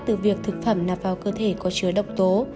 từ việc thực phẩm nạp vào cơ thể có chứa độc tố